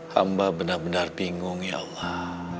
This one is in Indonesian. hamba benar benar bingung ya allah